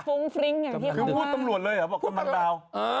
คือพูดตำรวจเลยเหรอบอกกำลังดาว